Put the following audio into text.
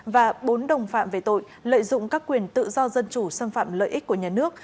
và bốn đồng phạm về tội lợi dụng các quyền tự do dân chủ xâm phạm lợi ích của nhà nước